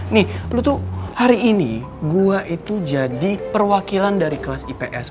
nih lutu hari ini gue itu jadi perwakilan dari kelas ips